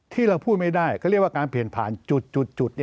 ที่เราพูดไม่ได้เขาเรียกว่าการเปลี่ยนผ่านจุด